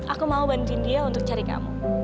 aku mau bantuin dia untuk cari kamu